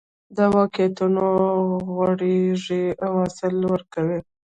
دا واقعیتونه غوړېږي او حاصل ورکوي